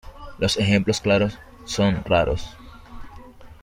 Los ejemplos claros son raros.